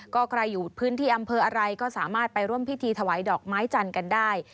ก็ใครอยู่พื้นที่อำเภออะไรก็สามารถไปร่วมพิธีถวายดอกไม้จันทร์กันได้